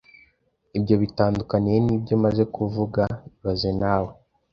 Ibyo bitandukaniye he nibyo maze kuvuga ibaze nawe